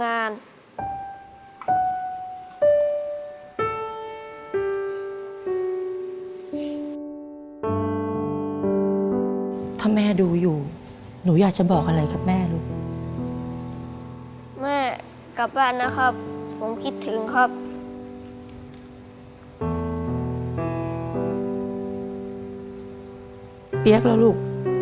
ยายอยากบอกอะไรกับลูกสาวถ้าเขาดูอยู่